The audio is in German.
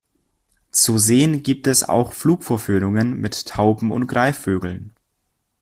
Zu sehen gibt es auch Flugvorführungen mit Tauben und Greifvögeln.